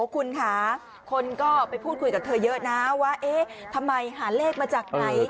คุณค่ะคนก็ไปพูดคุยกับเธอเยอะนะว่าเอ๊ะทำไมหาเลขมาจากไหน